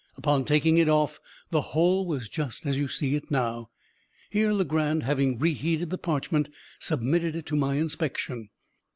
Upon taking it off, the whole was just as you see it now." Here Legrand, having reheated the parchment, submitted it to my inspection.